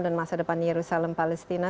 dan masa depan di jerusalem palestina